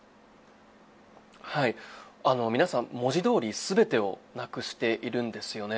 皆さん文字どおり全てをなくしているんですよね。